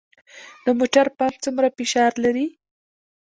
د موټر پمپ څومره فشار لري؟